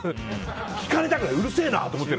聞かれたくないうるせえなと思ってる。